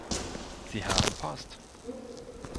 Sie haben Post!